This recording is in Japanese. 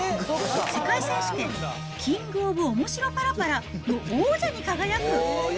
世界選手権キングオブおもしろパラパラの王者に輝く。